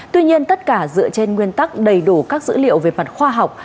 tuy nhiên tất cả dựa trên nguyên tắc đầy đủ các dữ liệu về mặt khoa học